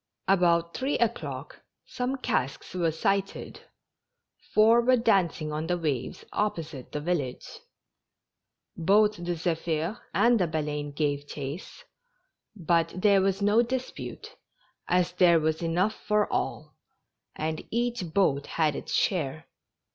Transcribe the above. About three o'clock some casks were sighted — four were dancing on the waves opposite the village. Both the Zephir and the Baleine gave chase, but there was no dis^mte, as there was enough for all, and each boat had its share.